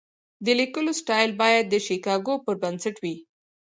د لیکلو سټایل باید د شیکاګو پر بنسټ وي.